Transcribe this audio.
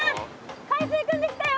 海水くんできたよ。